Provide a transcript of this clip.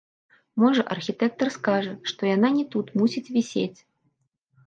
Можа, архітэктар скажа, што яна не тут мусіць вісець.